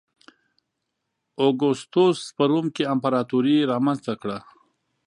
اګوستوس په روم کې امپراتوري نظام رامنځته کړ.